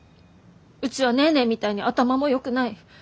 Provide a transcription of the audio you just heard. うちはネーネーみたいに頭もよくない。